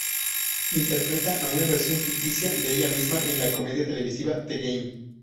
Interpreta a una versión ficticia de ella misma en la comedia televisiva "The Game".